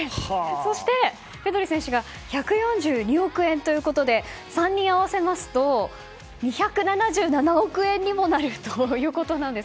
そして、ペドリ選手が１４２億円ということで３人合わせますと２７７億円にもなるということなんです。